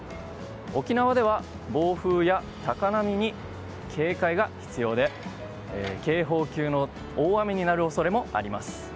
沖縄では暴風や高波に警戒が必要で警報級の大雨になる恐れもあります。